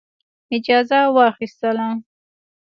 اجازه واخیستله.